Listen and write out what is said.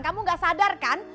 kamu gak sadar kan